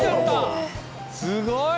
すごい！